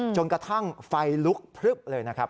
จนกระทั่งไฟลุกพลึบเลยนะครับ